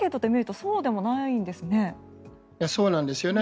そうなんですよね。